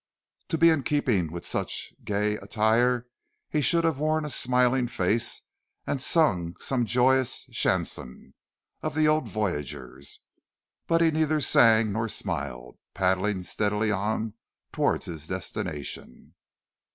To be in keeping with such gay attire he should have worn a smiling face, and sung some joyous chanson of the old voyageurs, but he neither sang nor smiled; paddling steadily on towards his destination.